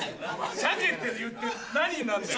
「しゃけ」って言って何になるんだよ。